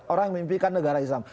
orang mimpikan negara islam